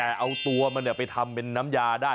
แต่เอาตัวมันไปทำเป็นน้ำยาได้